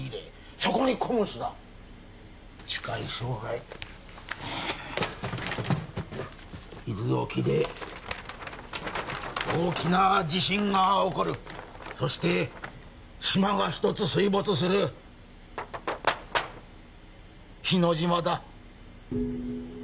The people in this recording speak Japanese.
そこにＣＯＭＳだ近い将来伊豆沖で大きな地震が起こるそして島が１つ水没する日之島だ